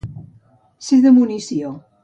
Ser de munició.